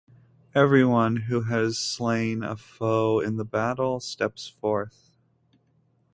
Everyone who has slain a foe in the battle steps forth.